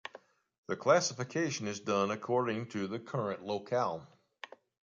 The classification is done according to the current locale.